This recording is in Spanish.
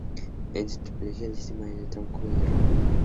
En su tipología, el sistema es de tronco y ramas.